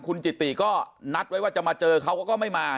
คุณจิตติก็นัดไว้จะมาเจอเขา